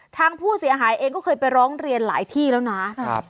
ทางผู้เสียหายเองก็เคยไปร้องเรียนหลายที่แล้วนะครับ